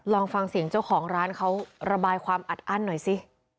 ลองฟังเสียงเจ้าของร้านเขาระบายความอัดอั้นหน่อยสิ